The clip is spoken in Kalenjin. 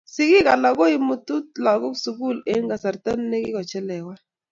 sikiik alak koimutuk lagok sukul eng kasarta ne kakochelewan.